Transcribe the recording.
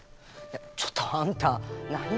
ちょっとあんた何者だよ？